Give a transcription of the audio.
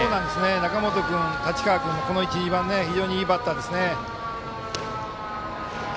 中本君、太刀川君の１、２番はいいバッターですね。